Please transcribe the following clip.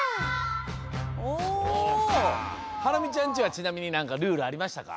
ハラミちゃんちはちなみになんかルールありましたか？